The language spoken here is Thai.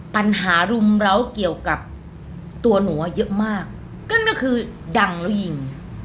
ปัญหารุมเล้าเกี่ยวกับตัวหนูเยอะมากนั่นก็คือดังแล้วยิง